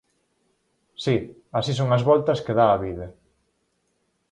Si, así son as voltas que dá a vida.